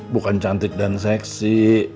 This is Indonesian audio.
bukan cantik dan seksi